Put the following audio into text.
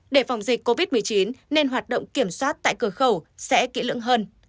để phòng dịch covid một mươi chín nên hoạt động kiểm soát tại cửa khẩu sẽ kỹ lưỡng hơn